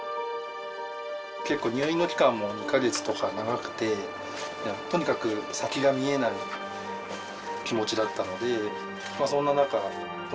結構入院の期間も２か月とか長くてとにかく先が見えない気持ちだったので。